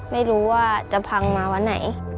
ไม่รู้ว่าจะพังมาวันไหน